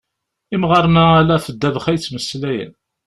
Imɣaren-a ala ɣef ddabex ay ttmeslayen.